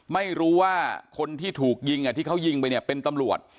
ไม่รู้ว่าคนที่ถูกยิงที่เขายิงไปเนี่ยเป็นตำรวจ